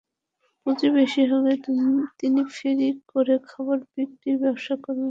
পুঁজি বেশি হলে তিনি ফেরি করে খাবার বিক্রির ব্যবসা করবেন না।